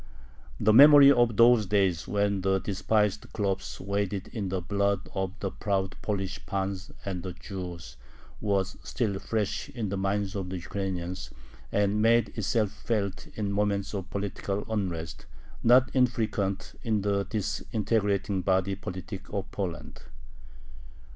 The memory of those days when the despised khlops waded in the blood of the proud Polish pans and the Jews was still fresh in the minds of the Ukrainians, and made itself felt in moments of political unrest, not infrequent in the disintegrating body politic of Poland.